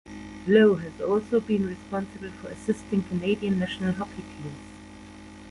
Lowe has also been responsible for assisting Canadian national hockey teams.